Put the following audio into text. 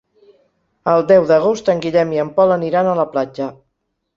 El deu d'agost en Guillem i en Pol aniran a la platja.